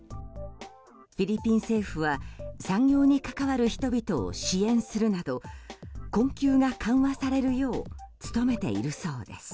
フィリピン政府は産業に関わる人々を支援するなど困窮が緩和されるよう努めているそうです。